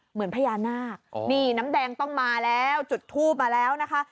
เหมือนพญานาคนี่น้ำแดงต้องมาแล้วจุดทูบมาแล้วนะคะ